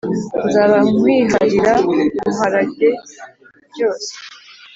Nzaba nkwiharira nguharage byose